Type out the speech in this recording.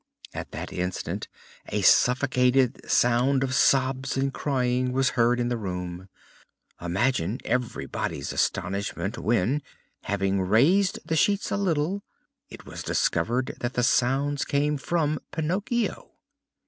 At that instant a suffocated sound of sobs and crying was heard in the room. Imagine everybody's astonishment when, having raised the sheets a little, it was discovered that the sounds came from Pinocchio.